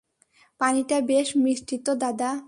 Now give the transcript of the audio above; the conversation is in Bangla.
পানিটা বেশ মিষ্টি তো, দাদা।